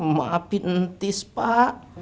maafin ntis pak